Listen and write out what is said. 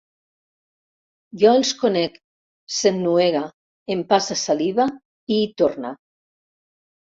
Jo els conec —s'ennuega, empassa saliva i hi torna—.